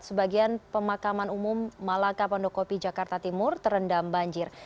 sebagian pemakaman umum malaka pondokopi jakarta timur terendam banjir